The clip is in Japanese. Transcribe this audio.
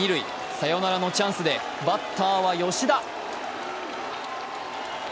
サヨナラのチャンスでバッターは吉田。